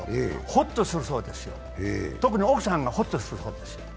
ホッとするそうですよ、特に奥さんがホッとするそうですよ。